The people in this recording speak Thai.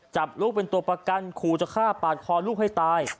จับลูกเป็นตัวประกันขู่จะฆ่าปาดคอลูกให้ตาย